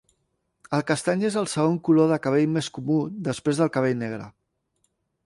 El castany és el segon color de cabell més comú, després del cabell negre.